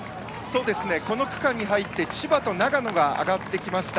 この区間に入って千葉と長野が上がってきました。